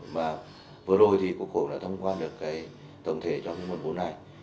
và vừa rồi thì cuộc khổ đã thông qua được cái tổng thể cho cái vốn này